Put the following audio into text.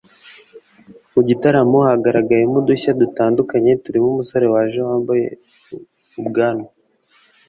Mu gitaramo hagaragayemo udushya dutandukanye turimo umusore waje yambaye ubwanwa